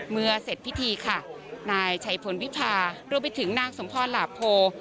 เมื่อเสร็จพิธีค่ะนายชัยพลวิพารวมไปถึงนางสมพรหลาโพ